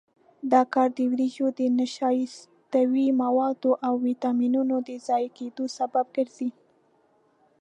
دا کار د وریجو د نشایستوي موادو او ویټامینونو د ضایع کېدو سبب ګرځي.